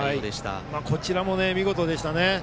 こちらも見事でしたね。